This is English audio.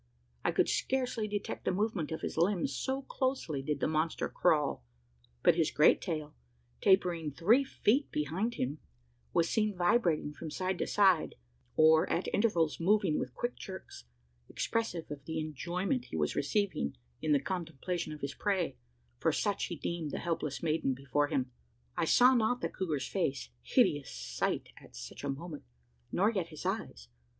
I could scarcely detect the movement of his limbs, so closely did the monster crawl; but his great tail, tapering three feet behind him, was seen vibrating from side to side, or at intervals moving with quick jerks expressive of the enjoyment he was receiving in the contemplation of his prey for such he deemed the helpless maiden before him. I saw not the couguar's face hideous sight at such a moment nor yet his eyes.